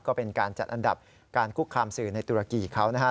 ก็เป็นการจัดอันดับการคุกคามสื่อในตุรกีเขานะฮะ